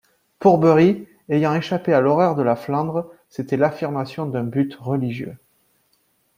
Pour Bury, ayant échappé à l'horreur de la Flandre, c'était l'affirmation d'un but religieux.